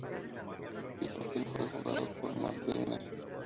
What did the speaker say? El papel fue jugado por Mat Devine.